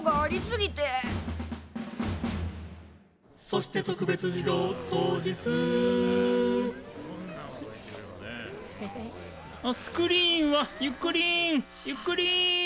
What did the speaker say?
「そして特別授業当日」スクリーンはゆっくりんゆっくりん。